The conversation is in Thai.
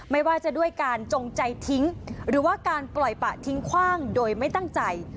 ไม่ว่าจะด้วยการจงใจทิ้งหรือว่าการปล่อยปะทิ้งคว่างโดยไม่ตั้งใจ